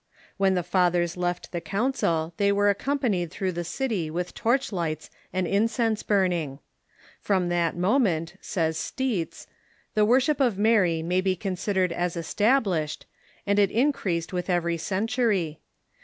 When the Fathers left the Council they Avere accompanied through the city with torch lights and incense burning. From that moment, says Steitz, tlie worship of Mary may be consid ered as established, and it increased with every century.